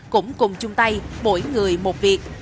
cũng cùng chung tay mỗi người một việc